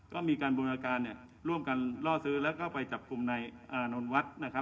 ก็มีการบุญการร่วมกันล่อซื้อแล้วก็ไปจับคุมในอานนท์วัสด์